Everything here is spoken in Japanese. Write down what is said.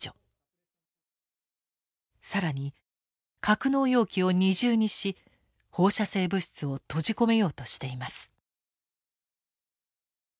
更に格納容器を二重にし放射性物質を閉じ込めようとしています。